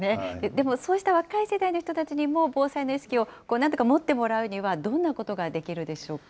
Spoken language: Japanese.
でも、そうした若い世代の人たちにも、防災の意識をなんとか持ってもらうには、どんなことができるでしょうか？